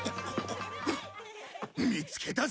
見つけたぞ。